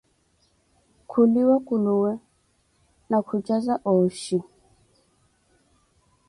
Khuliwa kuluwe na khucaza ooxhi.